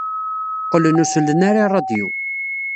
Qqlen ur sellen ara i ṛṛadyu.